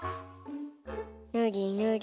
ぬりぬり。